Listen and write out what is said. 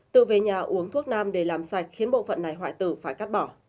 tự về nhà uống thuốc nam để làm sạch khiến bộ phận này hoại tử phải cắt bỏ